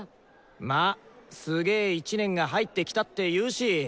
まあすげ１年が入ってきたっていうし！